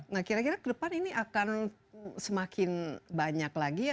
nah kira kira ke depan ini akan semakin banyak lagi ya